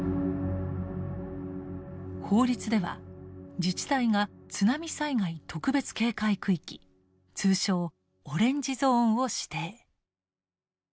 法律では自治体が津波災害特別警戒区域通称オレンジゾーンを指定。